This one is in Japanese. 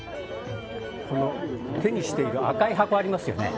手にしている赤い箱ありますよね。